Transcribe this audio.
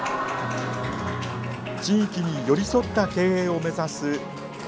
地域に寄り添った経営を目指す岡島。